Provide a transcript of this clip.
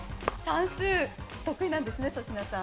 算数得意なんですね？